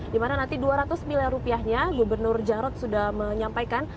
dimana nanti dua ratus miliar rupiahnya gubernur jarod sudah menyampaikan